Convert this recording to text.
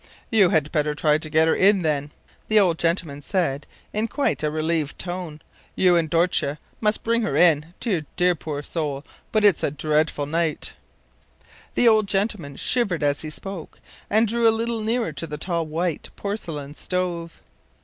” “You had better try to get her in then,” the old gentleman said, in quite a relieved tone. “You and Dortje must bring her in. Dear, dear, poor soul! but it is a dreadful night.” The old gentleman shivered as he spoke, and drew a little nearer to the tall white porcelain stove.